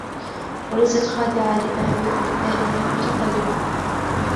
وليست خاضعة لأهواء الآلهة المتقلبة